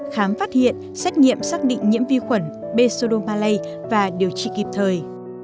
sáu khám phát hiện xét nghiệm xác định nhiễm vi khuẩn bê sô đô ma lây và điều trị kịp thời